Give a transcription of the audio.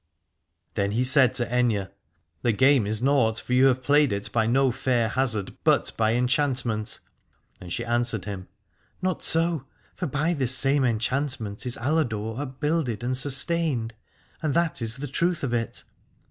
Then he said to Aithne : The game is nought, for you have played it by no fair hazard but by enchantment. And she an swered him : Not so, for by this same en chantment is Aladore upbuilded and sustained, and that is the truth of it.